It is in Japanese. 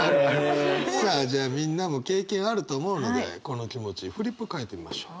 さあじゃあみんなも経験あると思うのでこの気持ちフリップ書いてみましょう。